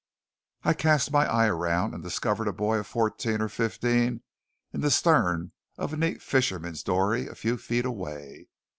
I cast my eye around, and discovered a boy of fourteen or fifteen in the stern of a neat fisherman's dory a few feet away.